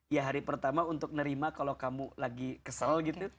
ya hari pertama untuk nerima kalau kamu lagi kesel gitu